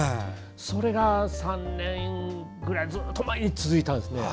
それが３年ぐらいずっと毎日続いたんです。